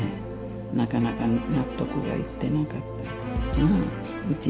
なかなか納得がいってなかったっていうかな。